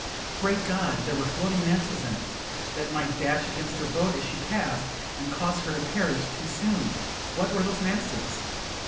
Great God! there were floating masses in it, that might dash against her boat as she passed, and cause her to perish too soon. What were those masses?